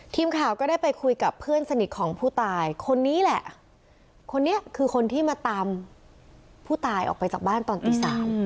ทีมข่าวก็ได้ไปคุยกับเพื่อนสนิทของผู้ตายคนนี้แหละคนนี้คือคนที่มาตามผู้ตายออกไปจากบ้านตอนตี๓